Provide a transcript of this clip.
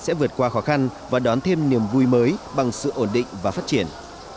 sẽ vượt qua khó khăn và đón thêm niềm vui mới bằng sự ổn định và phát triển